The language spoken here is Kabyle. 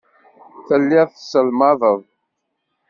Telliḍ tesselmadeḍ.